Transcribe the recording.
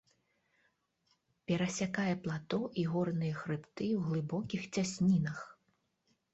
Перасякае плато і горныя хрыбты ў глыбокіх цяснінах.